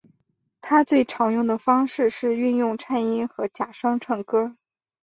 他最常用的方式是运用颤音和假声唱歌。